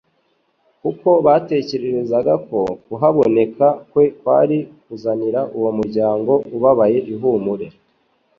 kuko batekerezaga ko kuhaboneka kwe kwari kuzanira uwo muryango ubabaye ihumure.